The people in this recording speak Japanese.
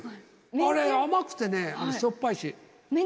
あれ甘くてね、しょっぱいし。